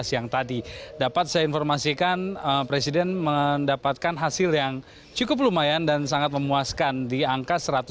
yang tadi dapat saya informasikan presiden mendapatkan hasil yang cukup lumayan dan sangat memuaskan di angka satu ratus lima puluh